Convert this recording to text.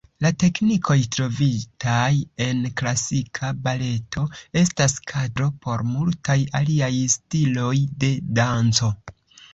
La teknikoj trovitaj en klasika baleto estas kadro por multaj aliaj stiloj de danco.